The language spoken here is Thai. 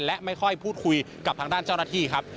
และไม่ค่อยพูดคุยกับทางด้านเจ้าหน้าที่ครับ